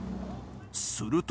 すると。